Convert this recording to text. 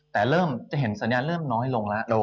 แต่เริ่มจะเห็นสัญญาณเริ่มน้อยลงแล้ว